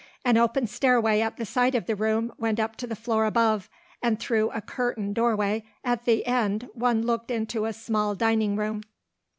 An open stairway at the side of the room went up to the floor above, and through a curtained doorway at the end one looked into a small dining room.